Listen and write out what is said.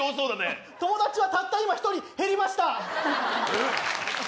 あっ友達はたった今１人減りましたえっ？